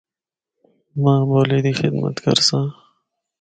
ماں بولی دی خدمت کرساں۔